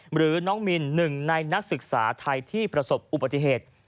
หรือน้องมินหนึ่งในนักศึกษาไทยที่ประสบอุบัติเหตุ